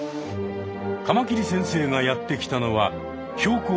カマキリ先生がやって来たのは標高